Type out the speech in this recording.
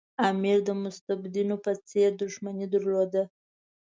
امیر د مستبدینو په څېر دښمني درلوده.